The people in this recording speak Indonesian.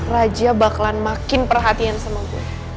raja bakalan makin perhatian sama gue